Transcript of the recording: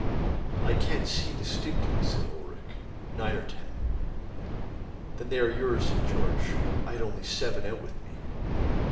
"I can't see distinctly," said Ulrich; "nine or ten," "Then they are yours," said Georg; "I had only seven out with me."